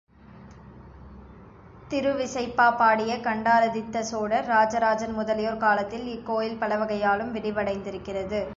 திருவிசைப்பா பாடிய கண்டராதித்த சோழர், ராஜராஜன் முதலியோர் காலத்தில் இக்கோயில் பலவகையாலும் விரிவடைந்திருக்கிறது.